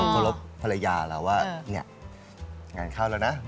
เคารพภรรยาเราว่าเนี่ยงานเข้าแล้วนะ